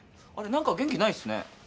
なんか元気ないっすね。